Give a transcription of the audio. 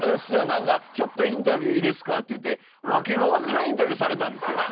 何か「ちょっとインタビューいいですか？」っていうて訳の分からんインタビューされたんですよ。